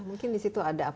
mungkin di situ ada apa